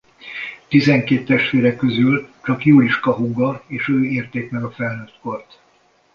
Tizenkét testvére közül csak Juliska húga és ő érték meg a felnőttkort.